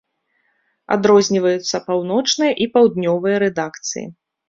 Адрозніваюцца паўночная і паўднёвая рэдакцыі.